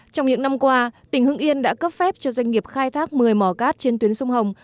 trong những năm qua tỉnh hưng yên đã cấp phép cho doanh nghiệp khai thác một mươi mỏ cát trên tuyến sông hồng